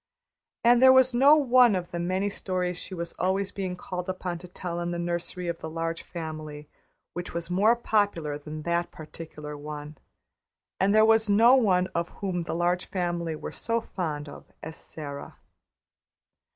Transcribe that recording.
And there was no one of the many stories she was always being called upon to tell in the nursery of the Large Family which was more popular than that particular one; and there was no one of whom the Large Family were so fond as of Sara.